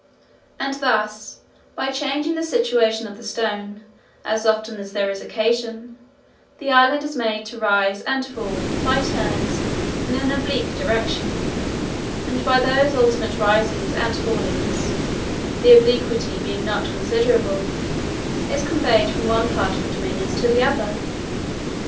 And thus, by changing the situation of the stone, as often as there is occasion, the island is made to rise and fall by turns in an oblique direction, and by those alternate risings and fallings (the obliquity being not considerable) is conveyed from one part of the dominions to the other.